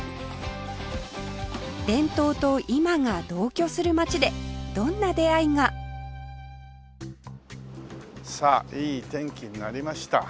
伝統と今が同居する街でどんな出会いが？さあいい天気になりました。